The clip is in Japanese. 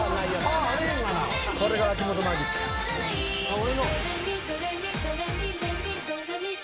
俺の。